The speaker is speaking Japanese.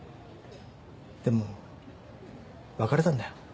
でも別れたんだよ